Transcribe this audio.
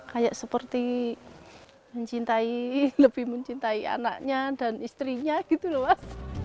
kayak seperti mencintai lebih mencintai anaknya dan istrinya gitu loh mas